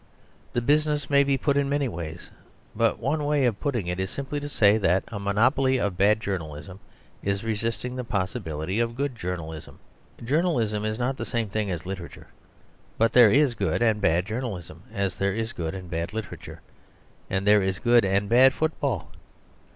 The business may be put in many ways. But one way of putting it is simply to say that a monopoly of bad journalism is resisting the possibility of good journalism. Journalism is not the same thing as literature; but there is good and bad journalism, as there is good and bad literature, as there is good and bad football.